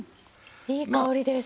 いい香りです